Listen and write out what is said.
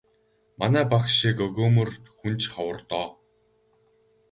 Манай багш шиг өгөөмөр хүн ч ховор доо.